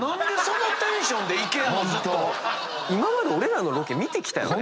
今まで俺らのロケ見てきたよね？